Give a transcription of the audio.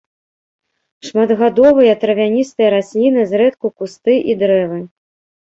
Шматгадовыя травяністыя расліны, зрэдку кусты і дрэвы.